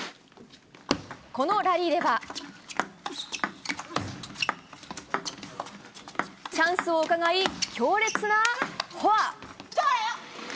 このラリーではチャンスをうかがい強烈なフォア。